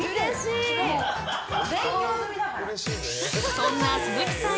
そんな鈴木さん